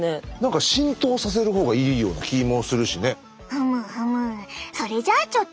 ふむふむ。